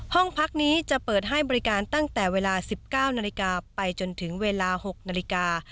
ห้องพักนี้จะเปิดให้บริการตั้งแต่เวลา๑๙นาฬิกาไปจนถึงเวลา๖นาฬิกา